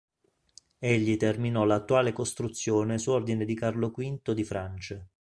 Egli terminò l'attuale costruzione su ordine di Carlo V di Francia.